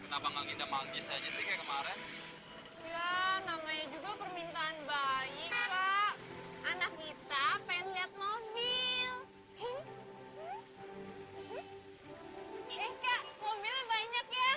kenapa nggak kita manggis aja sih kemarin namanya juga permintaan baik anak kita pengen lihat mobil